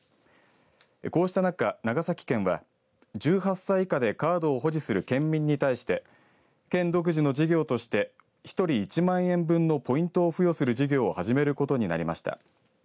こうした中、長崎県は１８歳以下でカードを保持する県民に対して県独自の事業として１人１万円分のポイントを付与する事業を始めることになりました。